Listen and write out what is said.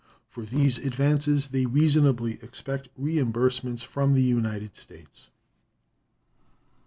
For these advances they reasonably expect reimbursements from the United States.